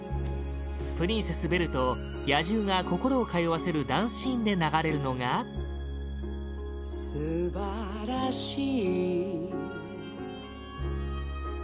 プリンセス、ベルと野獣が心を通わせるダンスシーンで流れるのが第２位アラジン：